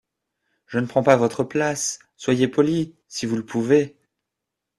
Je ne prends pas votre place… soyez poli… si vous le pouvez…